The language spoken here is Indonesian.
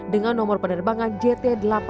dengan nomor penerbangan jt delapan ratus dua belas